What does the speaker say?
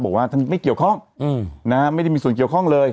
บอกว่าท่านไม่เกี่ยวข้องไม่ได้มีส่วนเกี่ยวข้องเลย